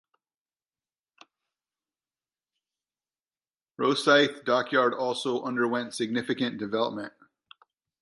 Rosyth dockyard also underwent significant redevelopment.